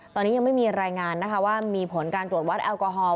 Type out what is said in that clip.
ตอนนี้ยังไม่มีรายงานนะคะว่ามีผลการตรวจวัดแอลกอฮอล